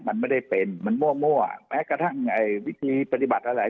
มันไม่ได้เป็นมันมั่วแม้กระทั่งวิธีปฏิบัติอะไร